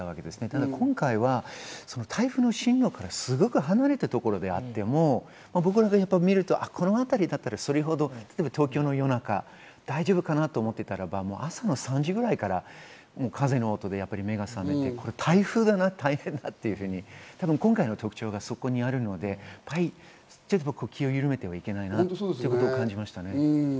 ただ今回は台風の進路からすごく離れたところであっても僕らが見ると、この辺りだったら、例えば東京の夜中、大丈夫かな？と思っていたら朝３時くらいから風の音で目が覚めて、台風が大変だというふうに今回の特徴がそこにあるので、気をゆるめてはいけないなということを感じました。